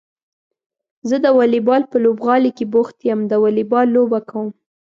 زه د واليبال په لوبغالي کې بوخت يم د واليبال لوبه کوم.